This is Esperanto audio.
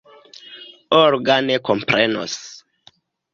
Olga ne komprenos.